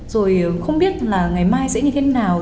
rồi không biết là ngày mai sẽ như thế nào